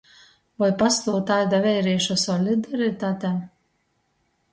Voi pastuov taida veirīšu solidaritate?